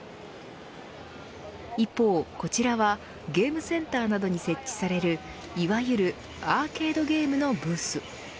一方、こちらはゲームセンターなどに設置されるいわゆるアーケードゲームのブース。